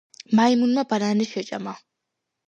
მაიმუნმა ბანანი შეჭამა